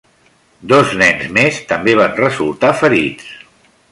Dos nens més també van resultar ferits.